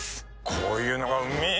こういうのがうめぇ